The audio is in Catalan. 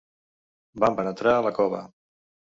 Vam penetrar a la cova.